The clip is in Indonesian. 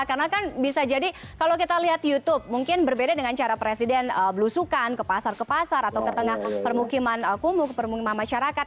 karena kan bisa jadi kalau kita lihat youtube mungkin berbeda dengan cara presiden belusukan ke pasar pasar atau ke tengah permukiman kumuh ke permukiman masyarakat